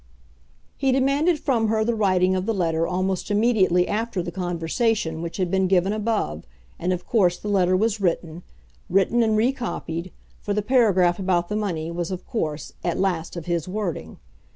He demanded from her the writing of the letter almost immediately after the conversation which has been given above, and of course the letter was written, written and recopied, for the paragraph about the money was, of course, at last of his wording.